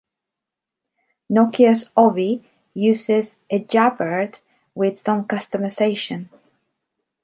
Nokia's Ovi uses ejabberd with some customizations.